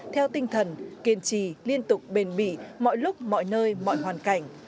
theo tinh thần kiên trì liên tục bền mỉ mọi lúc mọi nơi mọi hoàn cảnh